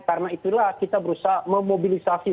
karena itulah kita berusaha memobilisasi